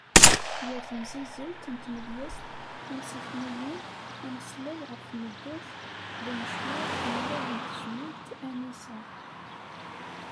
Gar temsizzelt n tmedyazt, timsikniyin, ameslay ɣef tmeddurt d umecawar n llal n tejmilt Anisa.